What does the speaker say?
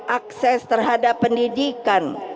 akses terhadap pendidikan